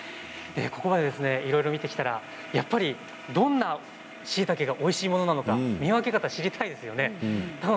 ここまでいろいろ見てきたらやっぱりどんなしいたけがおいしいものなのか見分け方を知りたいですよね。